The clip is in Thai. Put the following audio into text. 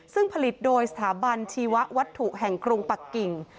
ซึ่งผลิตโดยสถาบันชีวัตถุแห่งกรุงปักกิ่ง